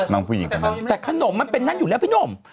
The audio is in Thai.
แต่ขนมมันเป็นนั่นอยู่แล้วพี่นม